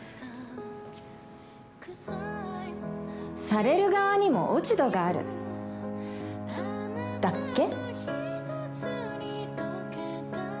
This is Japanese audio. される側にも落ち度があるだっけ？